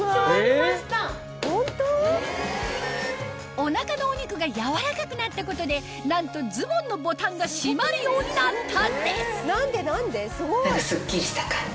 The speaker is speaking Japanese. お腹のお肉が軟らかくなったことでなんとズボンのボタンが閉まるようになったんです何かスッキリした感じ。